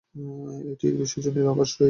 এটির বিশ্বজনীন আবাস রয়েছে।